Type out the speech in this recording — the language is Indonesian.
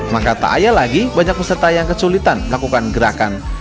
maka tak ayal lagi banyak peserta yang kesulitan melakukan gerakan